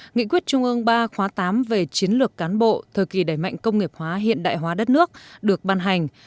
nghị quyết trung ương ba khóa tám về chiến lược cán bộ thời kỳ đẩy mạnh công nghiệp hóa hiện đại hóa đất nước được ban hành